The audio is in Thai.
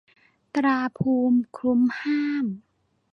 ตราภูมิคุ้มห้าม